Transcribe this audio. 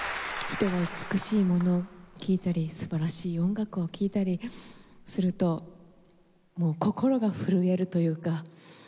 人は美しいものを聴いたり素晴らしい音楽を聴いたりするともう心が震えるというか。